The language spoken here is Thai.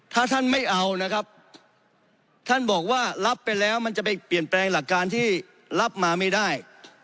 ถ้าท่านไม่เอานะครับท่านบอกว่ารับไปแล้วมันจะไปเปลี่ยนแปลงหลักการที่รับมาไม่ได้